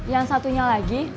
yang satunya lagi